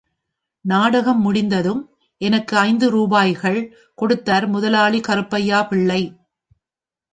நாடகம் முடிந்ததும் எனக்கு ஐந்து ரூபாய்கள் கொடுத்தார் முதலாளி கருப்பையா பிள்ளை.